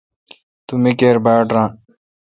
تو می کیر باڑ ران۔